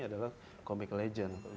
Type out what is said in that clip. adalah komik legend